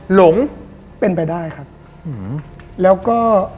หลงเป็นไปได้ครับแล้วก็